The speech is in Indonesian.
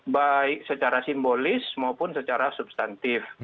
baik secara simbolis maupun secara substantif